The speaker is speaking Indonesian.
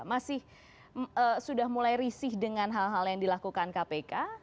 masih sudah mulai risih dengan hal hal yang dilakukan kpk